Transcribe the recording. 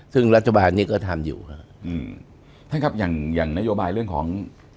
ซึ่งรัฐบาลนี้ก็ทำอยู่ฮะอืมท่านครับอย่างอย่างนโยบายเรื่องของ